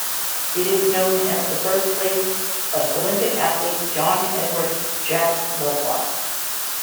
It is known as the birthplace of Olympic athlete John Edward "Jack" Lovelock.